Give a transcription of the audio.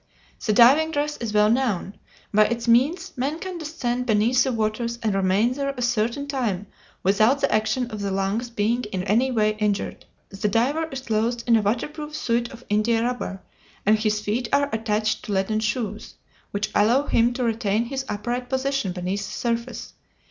The diving dress is well known. By its means men can descend beneath the waters and remain there a certain time without the action of the lungs being in any way injured. The diver is clothed in a waterproof suit of India rubber, and his feet are attached to leaden shoes, which allow him to retain his upright position beneath the surface.